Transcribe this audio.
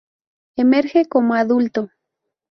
Emerge como adulto.